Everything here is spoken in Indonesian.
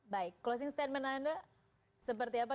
baik closing statement anda seperti apa